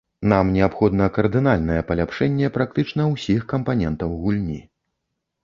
Нам неабходна кардынальнае паляпшэнне практычна ўсіх кампанентаў гульні.